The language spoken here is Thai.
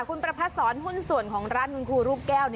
คุณประพัดสอนหุ้นส่วนของร้านคุณครูลูกแก้ว